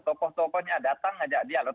tokoh tokohnya datang ngajak dialog